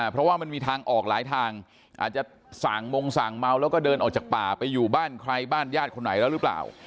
เพราะว่ามันมีทางออกหลายทางอาจจะสั่งมงสั่งเมาแล้วก็เดินออกจากป่าไปอยู่บ้านใครบ้านญาติคนไหนแล้วหรือเปล่า